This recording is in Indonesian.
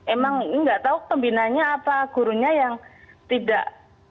emang ini nggak tahu pembinanya apa gurunya yang tidak